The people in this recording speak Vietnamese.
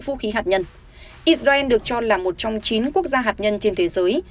vũ khí hạt nhân israel được cho là một trong chín quốc gia hạt nhân trên thế giới